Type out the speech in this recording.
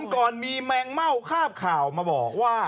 ก่อนมีแมงเม่าคาบข่าวมาบอกว่า